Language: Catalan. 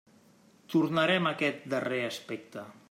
Tornarem a aquest darrer aspecte.